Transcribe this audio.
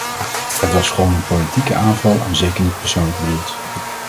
Het was gewoon een politieke aanval en zeker niet persoonlijk bedoeld.